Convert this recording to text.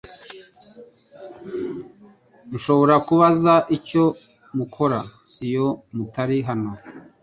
Nshobora kubaza icyo mukora iyo mutari hano?